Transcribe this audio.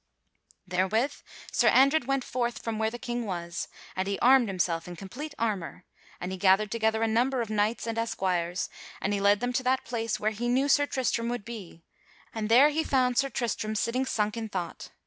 Therewith Sir Andred went forth from where the King was, and he armed himself in complete armor, and he gathered together a number of knights and esquires and he led them to that place where he knew Sir Tristram would be; and there he found Sir Tristram sitting sunk in thought.